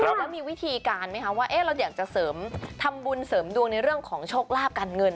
แล้วมีวิธีการไหมคะว่าเราอยากจะเสริมทำบุญเสริมดวงในเรื่องของโชคลาภการเงิน